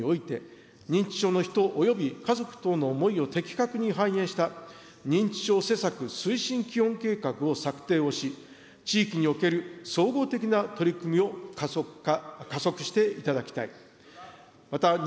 この実現会議における議論を踏まえ、認知症施策推進本部において、認知症の人および家族等の思いを的確に反映した認知症施策推進基本を策定をし、地域における総合的な取り組みを加速していただきたい。